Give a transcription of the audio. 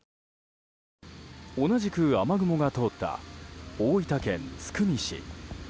同じく雨雲が通った大分県津久見市。